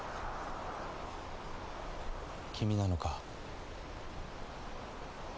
君なのか？